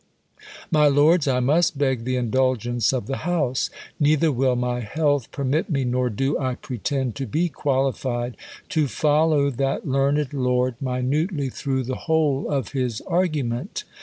My lords, I must beg the indulgence of the House. Neither will my health permit me, nor do I pretend to be qualified, to follow that learned lord minutely through the whole of his argument.